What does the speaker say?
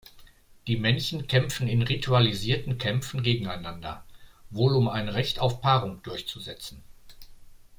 Die Männchen kämpfen in ritualisierten Kämpfen gegeneinander, wohl um ein Recht auf Paarung durchzusetzen.